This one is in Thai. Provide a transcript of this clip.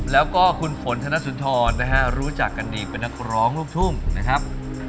แล้วก็คุณฝนธนสุนทรนะฮะรู้จักกันดีเป็นนักร้องลูกทุ่งนะครับ